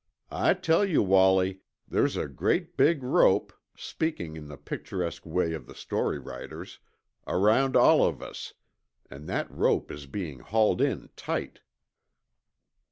I tell you, Wallie, there's a great big rope, speaking in the picturesque way of the story writers, around all of us, an' that rope is bein' hauled in tight."